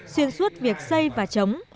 xuyên suốt việc xây và chống